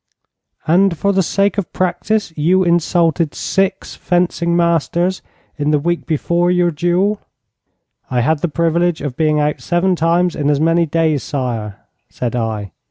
'And for the sake of practice you insulted six fencing masters in the week before your duel?' 'I had the privilege of being out seven times in as many days, sire,' said I.